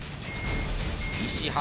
石原